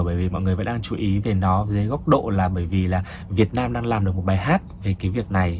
bởi vì mọi người vẫn đang chú ý về nó dưới góc độ là bởi vì là việt nam đang làm được một bài hát về cái việc này